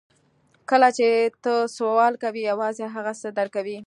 کله چې ته سوال کوې یوازې هغه څه درکوي